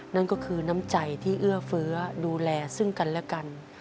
นั่นก็คือน้ำใจที่เอื้อเฟื้อดูแลซึ่งกันและกัน